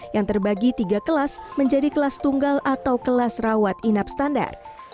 yang terbagi tiga kelas menjadi kelas tunggal atau kelas rawat inap standar